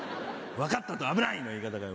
「分かった」と「危ない」の言い方が。